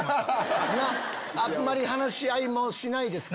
あんまり話し合いもしないですか？